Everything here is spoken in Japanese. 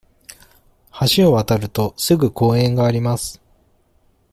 橋を渡ると、すぐ公園があります。